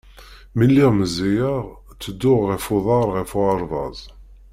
Mi lliɣ meẓẓiyeɣ, tedduɣ ɣef uḍar ɣer uɣerbaz.